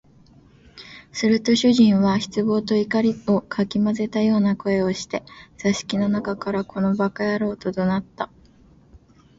すると主人は失望と怒りを掻き交ぜたような声をして、座敷の中から「この馬鹿野郎」と怒鳴った